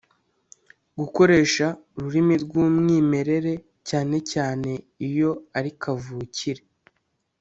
gukoresha ururimi rw’umwimerere cyane cyane iyo ari kavukire